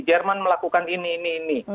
jerman melakukan ini ini